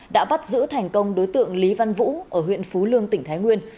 đã bắt giữ thành công đối tượng lý văn vũ ở huyện phú lương tỉnh thái nguyên